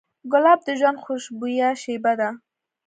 ګلاب د ژوند خوشبویه شیبه ده.